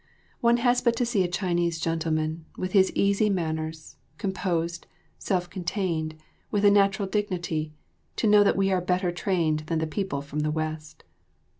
One has but to see a Chinese gentleman, with his easy manners, composed, self contained, with a natural dignity, to know that we are better trained than the people from the West.